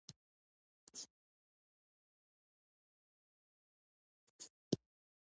ازادي راډیو د د بیان آزادي حالت په ډاګه کړی.